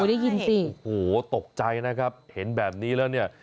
ได้ยินสิโอ้โหตกใจนะครับเห็นแบบนี้แล้วเนี่ย